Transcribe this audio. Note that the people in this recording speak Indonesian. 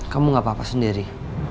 kamu gak papa sendiri